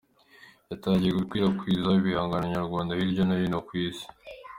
yatangiye gukwirakwiza ibihangano nyarwanda hirya no hino kw’ isi